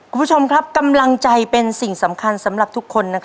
คุณผู้ชมครับกำลังใจเป็นสิ่งสำคัญสำหรับทุกคน